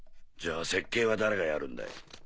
じゃあ設計は誰がやるんだい？